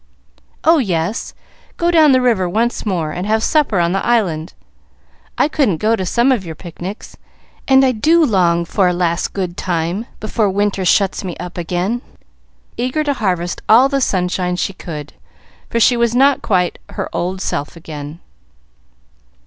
"Oh, yes! Go down the river once more and have supper on the Island. I couldn't go to some of your picnics, and I do long for a last good time before winter shuts me up again," cried Jill, eager to harvest all the sunshine she could, for she was not yet quite her old self again.